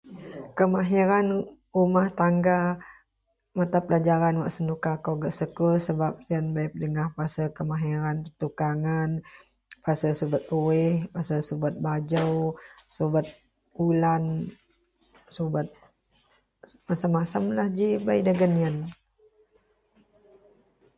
Kemahiran rumahtangga mata pelajaran wak senuka kou gak sekul sebab sien bei pedegah pasel Kemahiran pertukangan pasel subet kueh, pasel subet bajou, subet ulan, subet macem-macemlah ji bei dagen ien